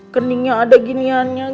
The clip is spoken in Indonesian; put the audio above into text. keningnya ada giniannya